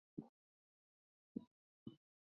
半鞅是概率论的概念。